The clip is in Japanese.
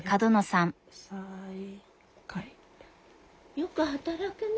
よく働くね。